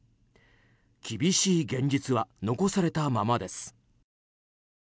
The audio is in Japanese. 厳しい現実は残されたままです。